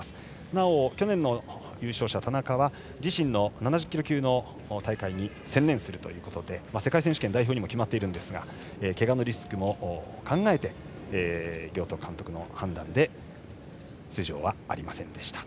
なお、去年の優勝者の田中は自身の７０キロ級の大会に専念するということで世界選手権代表にも決まっているんですがけがのリスクも考えて監督の判断で出場はありませんでした。